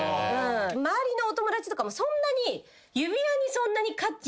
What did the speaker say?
周りのお友達とかも指輪にそんなに価値を。